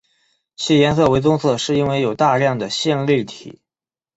其颜色为棕色是因为有大量的线粒体。